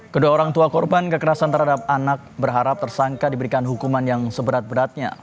kedua orang tua korban kekerasan terhadap anak berharap tersangka diberikan hukuman yang seberat beratnya